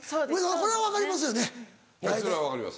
それは分かります。